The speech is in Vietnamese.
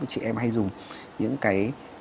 chị em hay dùng những cái